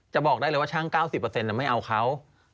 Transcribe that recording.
บอกได้เลยว่าช่าง๙๐ไม่เอาเขา